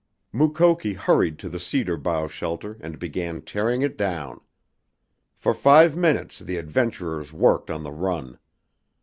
Mukoki hurried to the cedar bough shelter and began tearing it down. For five minutes the adventurers worked on the run.